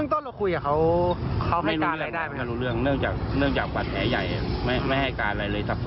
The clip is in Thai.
เหมือนตอนเราคุยกับเขาเขาให้การอะไรได้ไหม